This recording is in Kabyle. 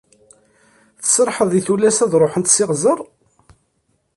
Tserḥeḍ i tullas ad ṛuḥent s iɣzer?